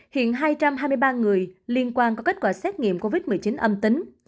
hiện hai trăm hai mươi ba người liên quan có kết quả xét nghiệm covid một mươi chín âm tính